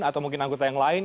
atau mungkin anggota yang lain